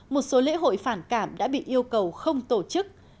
một số lễ hội phản cảm đã bị yêu cầu không tổ chức